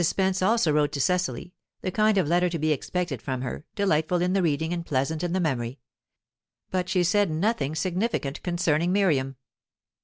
Spence also wrote to Cecily, the kind of letter to be expected from her, delightful in the reading and pleasant in the memory. But she said nothing significant concerning Miriam.